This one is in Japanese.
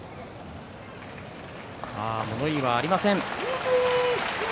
物言いはありません。